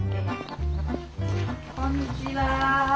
こんにちは。